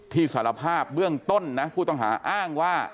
สารภาพเบื้องต้นนะผู้ต้องหาอ้างว่า